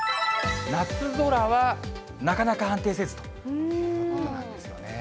夏空はなかなか安定せずということなんですよね。